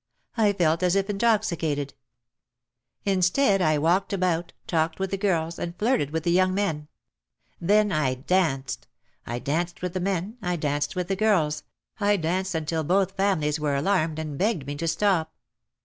I felt as if intoxicated. Instead I walked about, talked to the girls 216 OUT OF THE SHADOW and flirted with the young men. Then I danced. I danced with the men, I danced with the girls, I danced until both families were alarmed and begged me to stop.